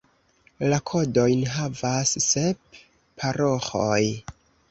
La kodojn havas sep paroĥoj.